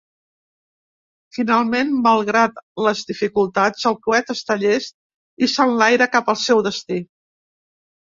Finalment, malgrat les dificultats, el coet està llest i s'enlaira cap al seu destí.